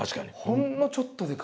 ほんのちょっとで変わる。